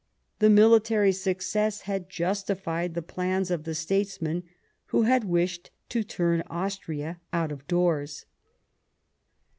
The military success had justified the plans of the statesman who had wished to turn Austria out of doors.